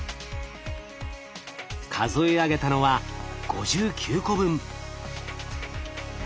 数え上げたのは５９個分。